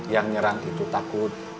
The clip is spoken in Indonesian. yang nyerang itu takut